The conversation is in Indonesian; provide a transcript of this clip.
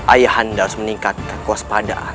ayahanda harus meningkatkan kuas padaan